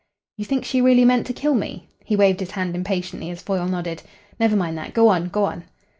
"You think she really meant to kill me?" He waved his hand impatiently as Foyle nodded. "Never mind that. Go on. Go on."